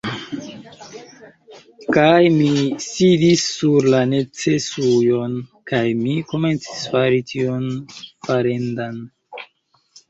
Kaj mi sidis sur la necesujon, kaj mi komencis fari tion farendan.